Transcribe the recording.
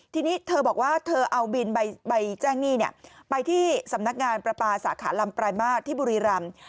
ทีนี้เธอบอกว่าเธอเอาบินใบแจ้งหนี้ไปที่สำนักงานประปาสาขาลำปลายมาตรที่บุรีรำ